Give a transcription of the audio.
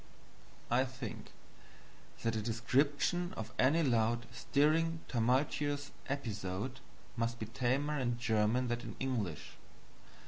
I think that a description of any loud, stirring, tumultuous episode must be tamer in German than in English.